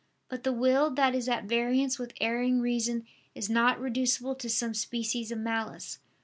But the will that is at variance with erring reason is not reducible to some species of malice.